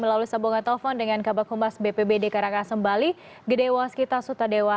lalu saya bonggat telfon dengan kabupaten bpd karangasem bali gede waskita suta dewa